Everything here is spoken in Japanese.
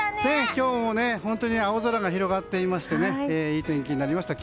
今日も本当に青空が広がっていい天気になりました。